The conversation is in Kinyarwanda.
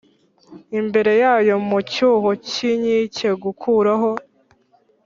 imbere yayo mu cyuho cy inkike Gukuraho